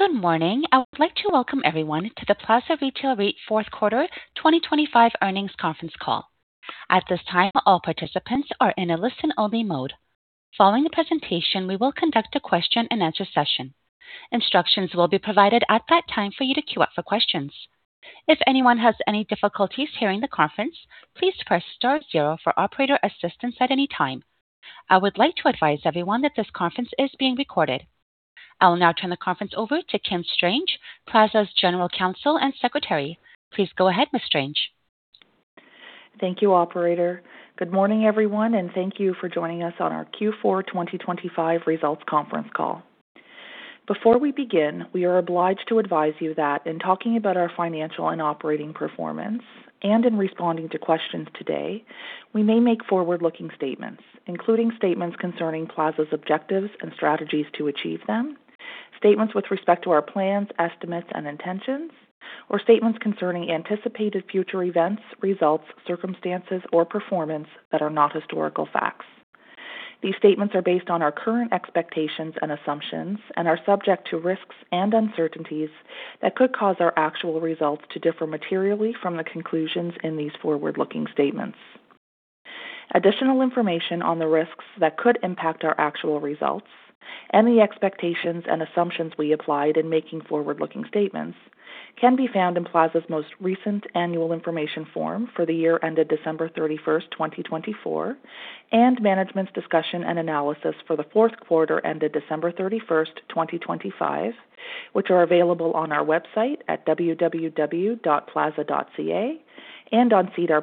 Good morning. I would like to welcome everyone to the Plaza Retail REIT Fourth Quarter 2025 Earnings Conference Call. At this time, all participants are in a listen-only mode. Following the presentation, we will conduct a question-and-answer session. Instructions will be provided at that time for you to queue up for questions. If anyone has any difficulties hearing the conference, please press star zero for operator assistance at any time. I would like to advise everyone that this conference is being recorded. I will now turn the conference over to Kim Strange, Plaza's General Counsel and Secretary. Please go ahead, Ms. Strange. Thank you, operator. Good morning, everyone, and thank you for joining us on our Q4 2025 Results Conference Call. Before we begin, we are obliged to advise you that in talking about our financial and operating performance and in responding to questions today, we may make forward-looking statements, including statements concerning Plaza's objectives and strategies to achieve them, statements with respect to our plans, estimates and intentions, or statements concerning anticipated future events, results, circumstances, or performance that are not historical facts. These statements are based on our current expectations and assumptions and are subject to risks and uncertainties that could cause our actual results to differ materially from the conclusions in these forward-looking statements. Additional information on the risks that could impact our actual results and the expectations and assumptions we applied in making forward-looking statements can be found in Plaza's most recent annual information form for the year ended December 31st, 2024, and Management's Discussion and Analysis for the fourth quarter ended December 31st, 2025, which are available on our website at www.plaza.ca and on SEDAR+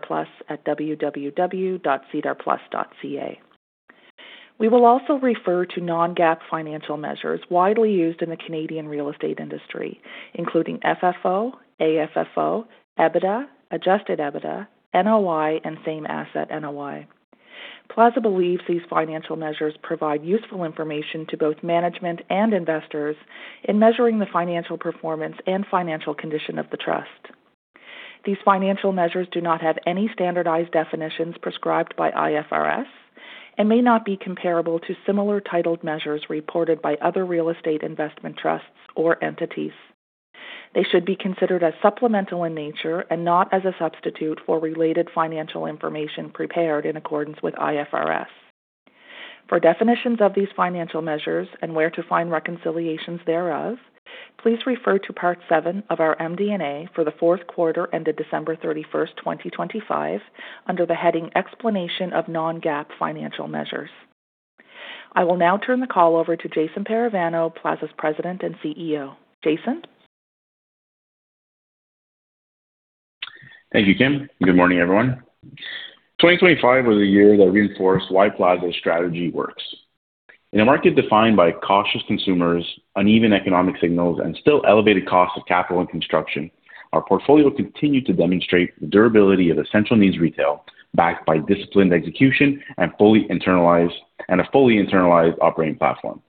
at www.sedarplus.ca. We will also refer to non-GAAP financial measures widely used in the Canadian real estate industry, including FFO, AFFO, EBITDA, adjusted EBITDA, NOI and same-asset NOI. Plaza believes these financial measures provide useful information to both management and investors in measuring the financial performance and financial condition of the Trust. These financial measures do not have any standardized definitions prescribed by IFRS and may not be comparable to similar titled measures reported by other real estate investment trusts or entities. They should be considered as supplemental in nature and not as a substitute for related financial information prepared in accordance with IFRS. For definitions of these financial measures and where to find reconciliations thereof, please refer to part seven of our MD&A for the fourth quarter ended December 31st, 2025, under the heading Explanation of Non-GAAP Financial Measures. I will now turn the call over to Jason Parravano, Plaza's President and CEO. Jason. Thank you, Kim. Good morning, everyone. 2025 was a year that reinforced why Plaza's strategy works. In a market defined by cautious consumers, uneven economic signals, and still elevated costs of capital and construction, our portfolio continued to demonstrate the durability of essential needs retail, backed by disciplined execution and a fully internalized operating platform.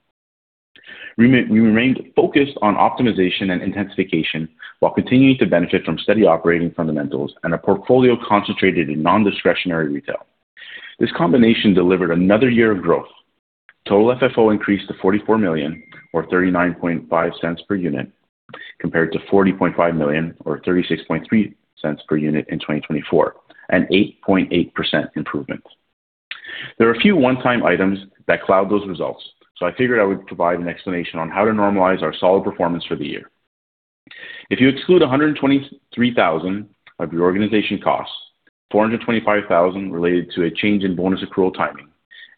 We remained focused on optimization and intensification while continuing to benefit from steady operating fundamentals and a portfolio concentrated in non-discretionary retail. This combination delivered another year of growth. Total FFO increased to 44 million or 0.395 per unit, compared to 40.5 million or 0.363 per unit in 2024, an 8.8% improvement. There are a few one-time items that cloud those results. I figured I would provide an explanation on how to normalize our solid performance for the year. If you exclude 123,000 of reorganization costs, 425,000 related to a change in bonus accrual timing,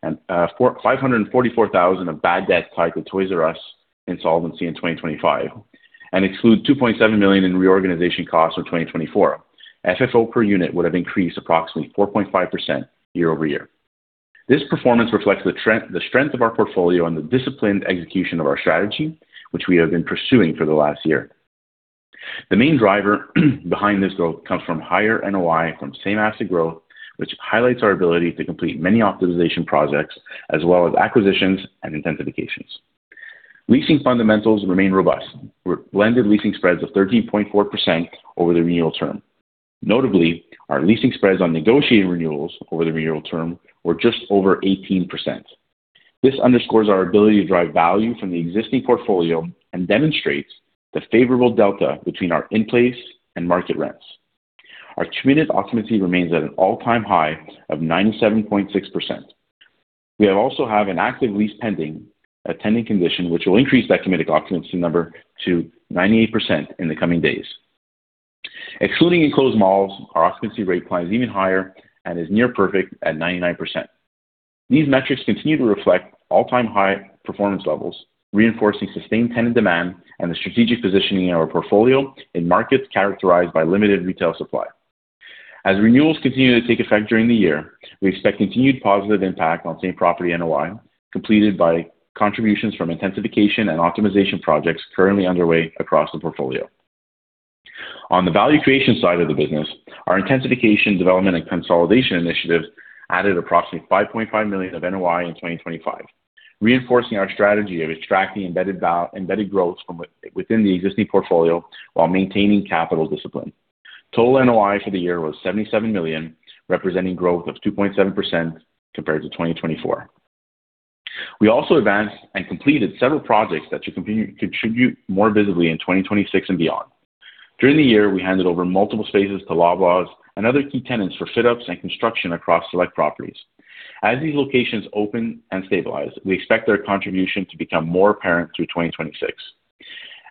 and 544,000 of bad debt tied to Toys R Us insolvency in 2025, and exclude 2.7 million in reorganization costs for 2024, FFO per unit would have increased approximately 4.5% year-over-year. This performance reflects the strength of our portfolio and the disciplined execution of our strategy, which we have been pursuing for the last year. The main driver behind this growth comes from higher NOI from same asset growth, which highlights our ability to complete many optimization projects as well as acquisitions and intensifications. Leasing fundamentals remain robust. We're blended leasing spreads of 13.4% over the renewal term. Notably, our leasing spreads on negotiated renewals over the renewal term were just over 18%. This underscores our ability to drive value from the existing portfolio and demonstrates the favorable delta between our in-place and market rents. Our committed occupancy remains at an all-time high of 97.6%. We also have an active lease pending a tenant condition, which will increase that committed occupancy number to 98% in the coming days. Excluding enclosed malls, our occupancy rate climbs even higher and is near perfect at 99%. These metrics continue to reflect all-time high performance levels, reinforcing sustained tenant demand and the strategic positioning in our portfolio in markets characterized by limited retail supply. As renewals continue to take effect during the year, we expect continued positive impact on Same-Property NOI, completed by contributions from intensification and optimization projects currently underway across the portfolio. On the value creation side of the business, our intensification development and consolidation initiatives added approximately 5.5 million of NOI in 2025, reinforcing our strategy of extracting embedded growth from within the existing portfolio while maintaining capital discipline. Total NOI for the year was 77 million, representing growth of 2.7% compared to 2024. We also advanced and completed several projects that should contribute more visibly in 2026 and beyond. During the year, we handed over multiple spaces to Loblaws and other key tenants for fit outs and construction across select properties. As these locations open and stabilize, we expect their contribution to become more apparent through 2026.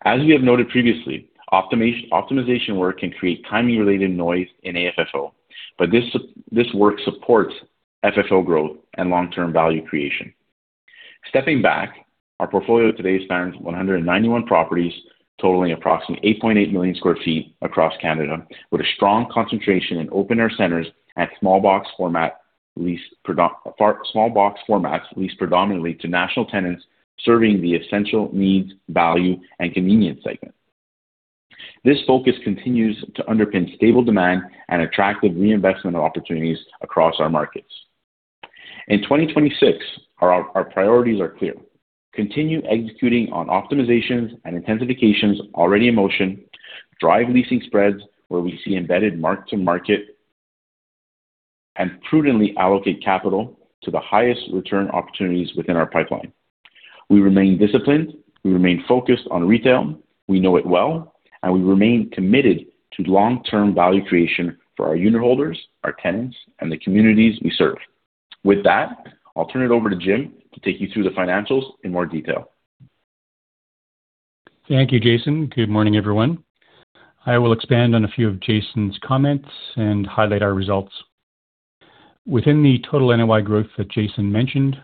As we have noted previously, optimization work can create timing related noise in AFFO, this work supports FFO growth and long-term value creation. Stepping back, our portfolio today spans 191 properties, totaling approximately 8.8 million sq ft across Canada, with a strong concentration in open air centers and small box formats leased predominantly to national tenants serving the essential needs, value, and convenience segment. This focus continues to underpin stable demand and attractive reinvestment opportunities across our markets. In 2026, our priorities are clear: continue executing on optimizations and intensifications already in motion; drive leasing spreads where we see embedded mark to market; and prudently allocate capital to the highest return opportunities within our pipeline. We remain disciplined. We remain focused on retail. We know it well. We remain committed to long-term value creation for our unitholders, our tenants, and the communities we serve. With that, I'll turn it over to Jim to take you through the financials in more detail. Thank you, Jason. Good morning, everyone. I will expand on a few of Jason's comments and highlight our results. Within the total NOI growth that Jason mentioned,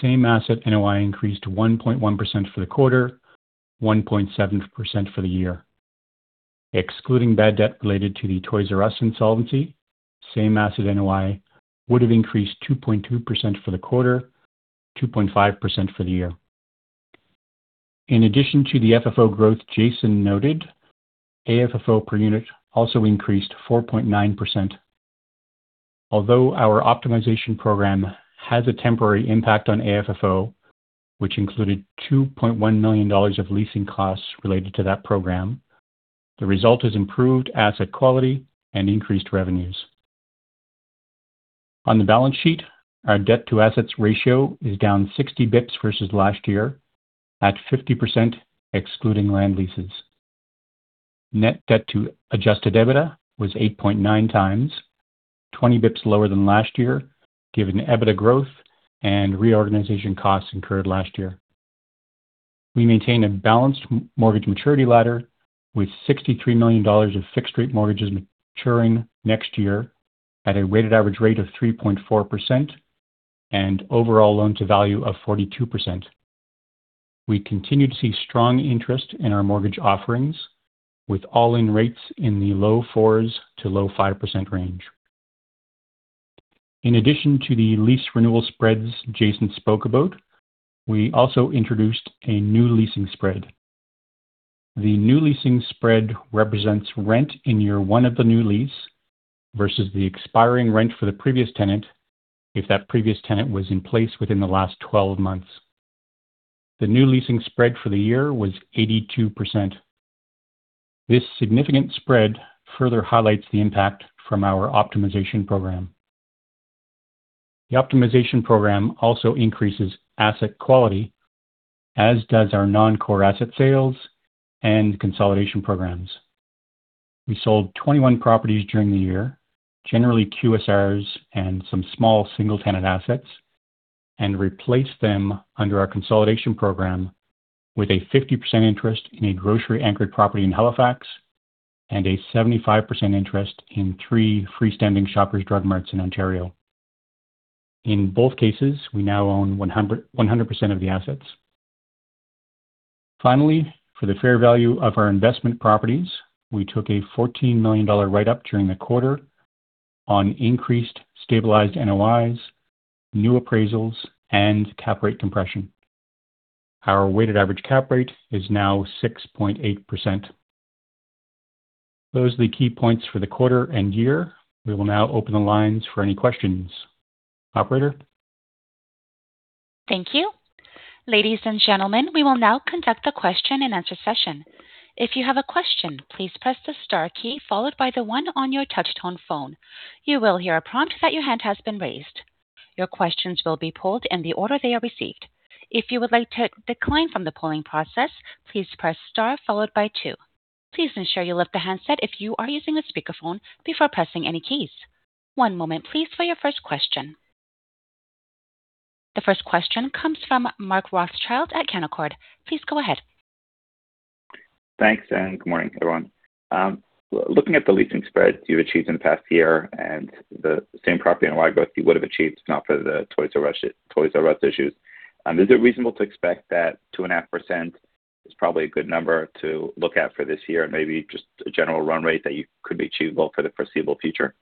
same-asset NOI increased 1.1% for the quarter, 1.7% for the year. Excluding bad debt related to the Toys R Us insolvency, same-asset NOI would have increased 2.2% for the quarter, 2.5% for the year. In addition to the FFO growth Jason noted, AFFO per unit also increased 4.9%. Although our optimization program has a temporary impact on AFFO, which included 2.1 million dollars of leasing costs related to that program, the result is improved asset quality and increased revenues. On the balance sheet, our debt-to-assets ratio is down 60 basis points versus last year at 50%, excluding land leases. Net debt to adjusted EBITDA was 8.9 times, 20 basis points lower than last year, given the EBITDA growth and reorganization costs incurred last year. We maintain a balanced mortgage maturity ladder with $63 million of fixed rate mortgages maturing next year at a weighted average rate of 3.4% and overall loan-to-value of 42%. We continue to see strong interest in our mortgage offerings with all-in rates in the low 4%-low 5% range. In addition to the lease renewal spreads Jason spoke about, we also introduced a new leasing spread. The new leasing spread represents rent in year one of the new lease versus the expiring rent for the previous tenant if that previous tenant was in place within the last 12 months. The new leasing spread for the year was 82%. This significant spread further highlights the impact from our optimization program. The optimization program also increases asset quality, as does our non-core asset sales and consolidation programs. We sold 21 properties during the year, generally QSRs and some small single tenant assets, and replaced them under our consolidation program with a 50% interest in a grocery anchored property in Halifax and a 75% interest in three freestanding Shoppers Drug Marts in Ontario. In both cases, we now own 100% of the assets. Finally, for the fair value of our investment properties, we took a 14 million dollar write up during the quarter on increased stabilized NOIs, new appraisals, and cap rate compression. Our weighted average cap rate is now 6.8%. Those are the key points for the quarter and year. We will now open the lines for any questions. Operator? Thank you. Ladies and gentlemen, we will now conduct the question and answer session. If you have a question, please press the star key followed by the one on your touch tone phone. You will hear a prompt that your hand has been raised. Your questions will be pulled in the order they are received. If you would like to decline from the polling process, please press star followed by two. Please ensure you lift the handset if you are using a speakerphone before pressing any keys. One moment please for your first question. The first question comes from Mark Rothschild at Canaccord. Please go ahead. Thanks. Good morning, everyone. Looking at the leasing spread you achieved in the past year and the same property NOI growth you would have achieved not for the Toys R Us issues, is it reasonable to expect that 2.5% is probably a good number to look at for this year and maybe just a general run rate that you could be achievable for the foreseeable future?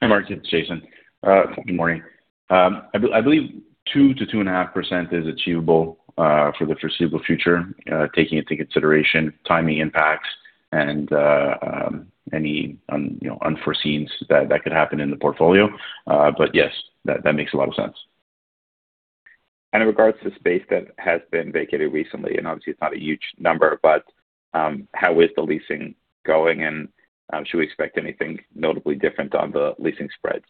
Hey, Mark, it's Jason. Good morning. I believe 2%-2.5% is achievable for the foreseeable future, taking into consideration timing impacts and, you know, unforeseens that could happen in the portfolio. Yes, that makes a lot of sense. In regards to space that has been vacated recently, and obviously it's not a huge number, but, how is the leasing going, and should we expect anything notably different on the leasing spreads?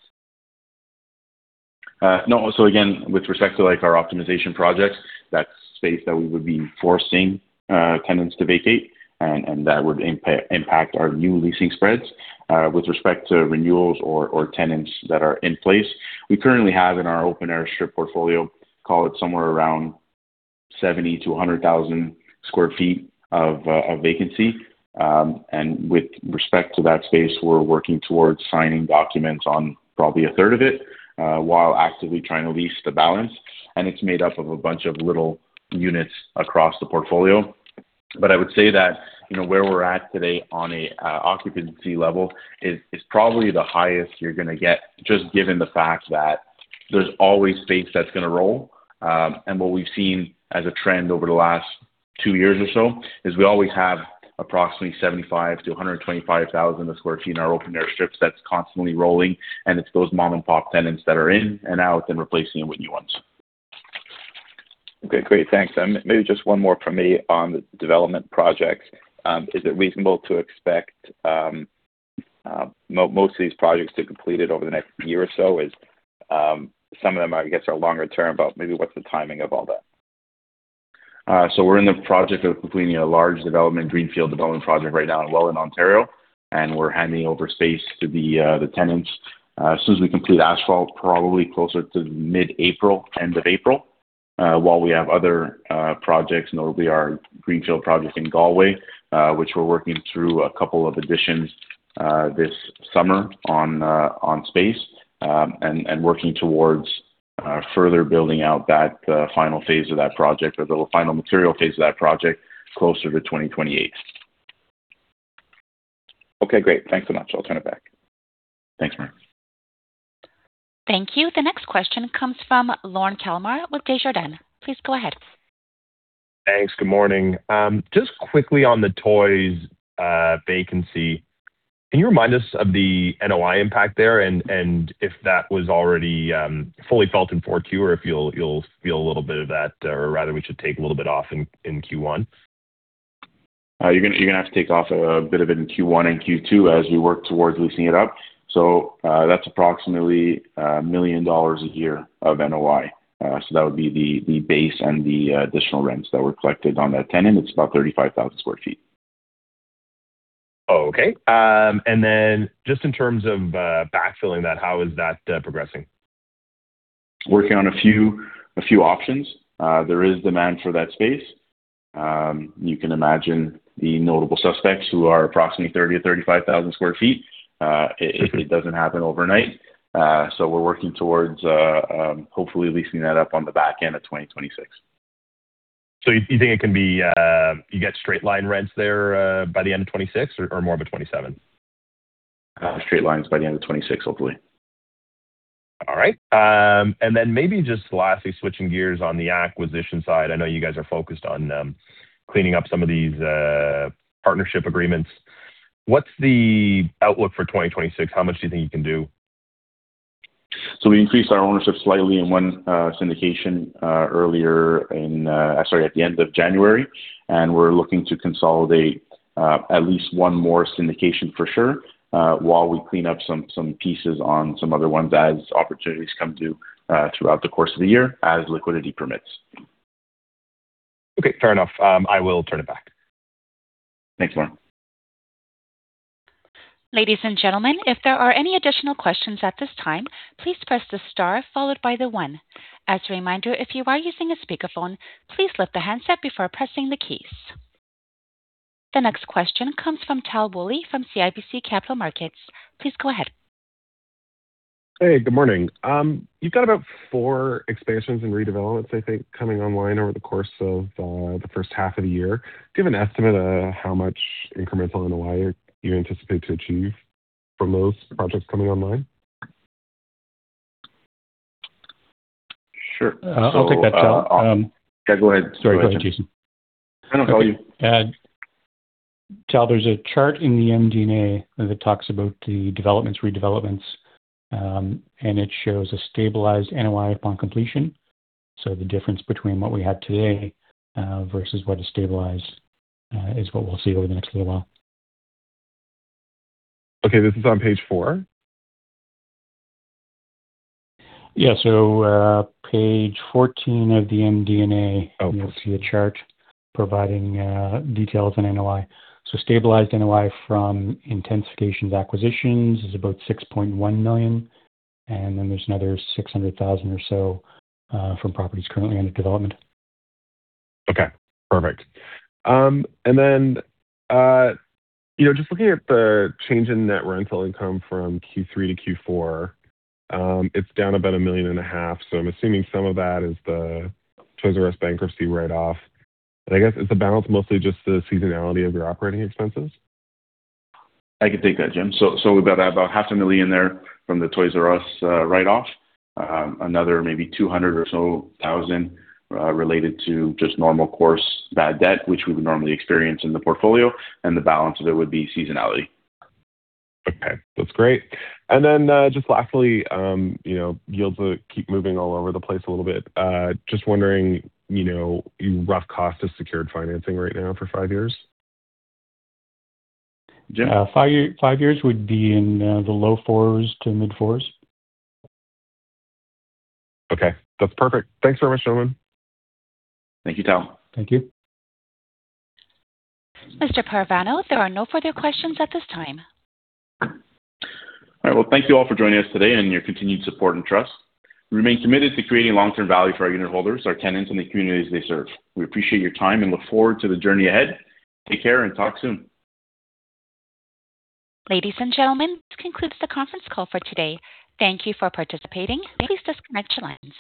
No. Again, with respect to, like, our optimization projects, that's space that we would be forcing tenants to vacate and that would impact our new leasing spreads. With respect to renewals or tenants that are in place, we currently have in our open air strip portfolio, call it somewhere around 70-100,000 sq ft of vacancy. With respect to that space, we're working towards signing documents on probably a third of it while actively trying to lease the balance. It's made up of a bunch of little units across the portfolio. I would say that, you know, where we're at today on a occupancy level is probably the highest you're gonna get, just given the fact that there's always space that's gonna roll. What we've seen as a trend over the last two years or so is we always have approximately 75,000-125,000 sq ft in our open air strips that's constantly rolling. It's those mom-and-pop tenants that are in and out and replacing 'em with new ones. Okay. Great. Thanks. Maybe just one more from me on the development projects. Is it reasonable to expect most of these projects to be completed over the next year or so? Is some of them are, I guess, are longer term, but maybe what's the timing of all that? We're in the project of completing a large development, greenfield development project right now in Welland, Ontario, and we're handing over space to the tenants as soon as we complete asphalt, probably closer to mid-April, end of April. While we have other projects, notably our greenfield project in Galway, which we're working through a couple of additions this summer on space, and working towards further building out that final phase of that project or the final material phase of that project closer to 2028. Okay. Great. Thanks so much. I'll turn it back. Thanks, Mark. Thank you. The next question comes from Lorne Kalmar with Desjardins. Please go ahead. Thanks. Good morning. just quickly on the Toys vacancy, can you remind us of the NOI impact there and if that was already fully felt in 4Q or if you'll feel a little bit of that or rather we should take a little bit off in Q1? You're gonna have to take off a bit of it in Q1 and Q2 as we work towards leasing it up. That's approximately 1 million dollars a year of NOI. So that would be the base and the additional rents that were collected on that tenant. It's about 35,000 sq ft. Oh, okay. Just in terms of, backfilling that, how is that progressing? Working on a few options. There is demand for that space. You can imagine the notable suspects who are approximately 30,000-35,000 sq ft. Okay. It doesn't happen overnight. We're working towards hopefully leasing that up on the back end of 2026. You think it can be, you get straight-line rents there, by the end of 2026 or more of a 2027? Straight lines by the end of 2026, hopefully. All right. maybe just lastly, switching gears on the acquisition side, I know you guys are focused on, cleaning up some of these, partnership agreements. What's the outlook for 2026? How much do you think you can do? We increased our ownership slightly in one syndication earlier in, sorry, at the end of January. We're looking to consolidate at least one more syndication for sure, while we clean up some pieces on some other ones as opportunities come due throughout the course of the year as liquidity permits. Okay. Fair enough. I will turn it back. Thanks, Lorne. Ladies and gentlemen, if there are any additional questions at this time, please press the star followed by the one. As a reminder, if you are using a speakerphone, please lift the handset before pressing the keys. The next question comes from Tal Woolley from CIBC Capital Markets. Please go ahead. Hey, good morning. You've got about four expansions and redevelopments, I think, coming online over the course of the first half of the year. Do you have an estimate of how much incremental NOI you anticipate to achieve from those projects coming online? Sure. I'll take that, Tal. Yeah, go ahead. Sorry. Go ahead, Jason. I don't know if- Tal, there's a chart in the MD&A that talks about the developments, redevelopments. It shows a stabilized NOI upon completion. The difference between what we had today, versus what is stabilized, is what we'll see over the next little while. Okay. This is on page four? Page 14 of the MD&A. Okay. You'll see a chart providing details on NOI. Stabilized NOI from intensifications, acquisitions is about 6.1 million, and then there's another 600,000 or so from properties currently under development. Okay. Perfect. you know, just looking at the change in net rental income from Q3 to Q4, it's down about a million and a half, so I'm assuming some of that is the Toys R Us bankruptcy write-off. I guess is the balance mostly just the seasonality of your operating expenses? I can take that, Jim. We've got about CAD half a million there from the Toys R Us write-off. Another maybe 200,000 or so related to just normal course bad debt, which we would normally experience in the portfolio, and the balance of it would be seasonality. Okay. That's great. Just lastly, you know, yields, keep moving all over the place a little bit. Just wondering, you know, your rough cost of secured financing right now for five years. Jim? Five years would be in the low 4s%-mid 4s%. Okay. That's perfect. Thanks very much, gentlemen. Thank you, Tal. Thank you. Mr. Parravano, there are no further questions at this time. All right. Well, thank you all for joining us today and your continued support and trust. We remain committed to creating long-term value for our unit holders, our tenants, and the communities they serve. We appreciate your time and look forward to the journey ahead. Take care and talk soon. Ladies and gentlemen, this concludes the conference call for today. Thank you for participating. Please disconnect your lines.